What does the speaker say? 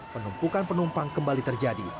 penumpukan penumpang kembali terjadi